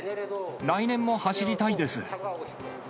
来年も走りたいです。